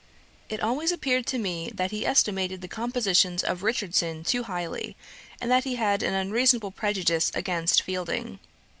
It always appeared to me that he estimated the compositions of Richardson too highly, and that he had an unreasonable prejudice against Fielding.